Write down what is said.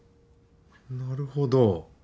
なるほど。